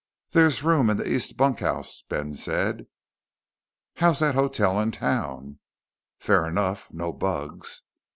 "There's room in the east bunkhouse," Ben said. "How's that hotel in town?" "Fair enough. No bugs."